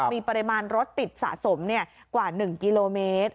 มีปริมาณรถติดสะสมกว่า๑กิโลเมตร